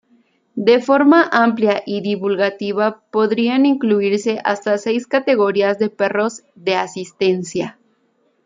De forma amplia y divulgativa podrían incluirse hasta seis categorías de perros de asistencia.